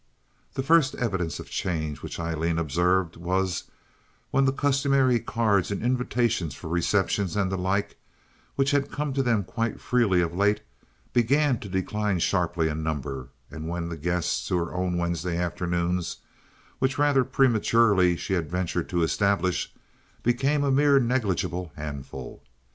The first evidence of change which Aileen observed was when the customary cards and invitations for receptions and the like, which had come to them quite freely of late, began to decline sharply in number, and when the guests to her own Wednesday afternoons, which rather prematurely she had ventured to establish, became a mere negligible handful.